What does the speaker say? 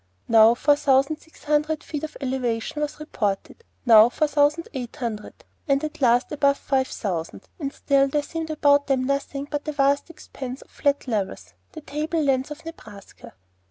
Now four thousand six hundred feet of elevation was reported, now four thousand eight hundred, at last above five thousand; and still there seemed about them nothing but a vast expanse of flat levels, the table lands of Nebraska.